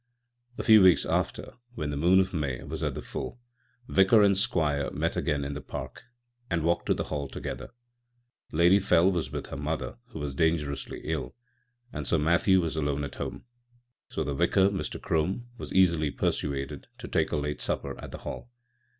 A few weeks after, when the moon of May was at the full, Vicar and Squire met again in the park, and walked to the Hall together. Lady Fell was with her mother, who was dangerously ill, and Sir Matthew was alone at home; so the Vicar, Mr. Crome, was easily persuaded to take a late supper at the Hall.